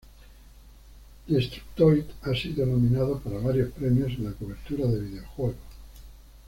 Destructoid ha sido nominado para varios premios en la cobertura de videojuegos.